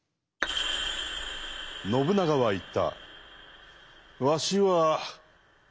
信長は言った。